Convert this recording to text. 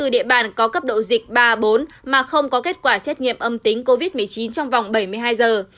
địa bàn có cấp độ dịch ba bốn mà không có kết quả xét nghiệm âm tính covid một mươi chín trong vòng bảy mươi hai giờ